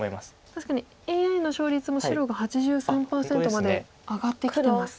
確かにＡＩの勝率も白が８３％まで上がってきてます。